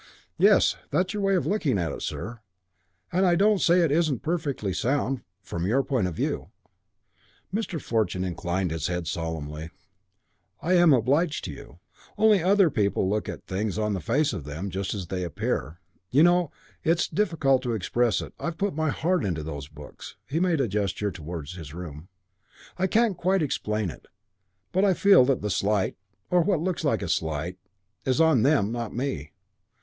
"Yes, that's your way of looking at it, sir, and I don't say it isn't perfectly sound from your point of view " Mr. Fortune inclined his head solemnly: "I am obliged to you." " Only other people look at things on the face of them, just as they appear. You know it's difficult to express it I've put my heart into those books." He made a gesture towards his room. "I can't quite explain it, but I felt that the slight, or what looks like a slight, is on them, not on me."